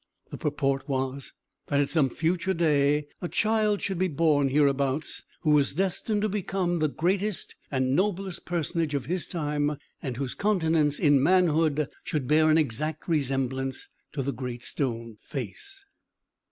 The purport was, that, at some future day, a child should be born hereabouts, who was destined to become the greatest and noblest personage of his time, and whose countenance, in manhood, should bear an exact resemblance to the Great Stone Face.